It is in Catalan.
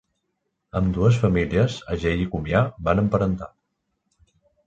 Ambdues famílies, Agell i Comià, van emparentar.